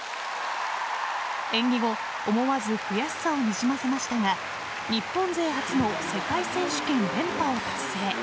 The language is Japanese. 演技後思わず悔しさをにじませましたが日本勢初の世界選手権連覇を達成。